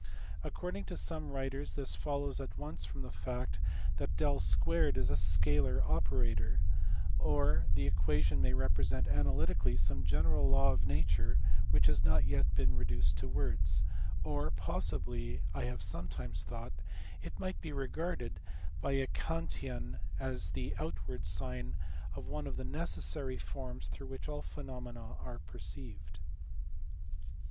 According to some writers this follows at once from the fact that V 2 is a scalar operator; or the equation may represent analytically some general law of nature which has not been yet reduced to words; or possibly (I have sometimes thought) it might be regarded by a Kantian as the outward sign of one of the necessary forms through which all phenomena are perceived.